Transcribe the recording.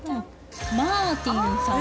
マーティンさん。